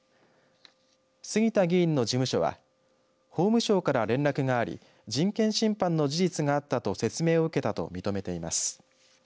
杉田議員の事務所は法務省から連絡があり人権侵犯の事実があったと説明を受けたと認めています。